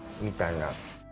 みたいな。